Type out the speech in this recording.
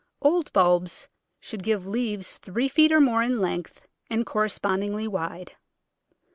Old bulbs should give leaves three feet or more in length and correspondingly wide.